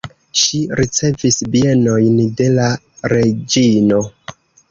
Ŝi ricevis bienojn de la reĝino.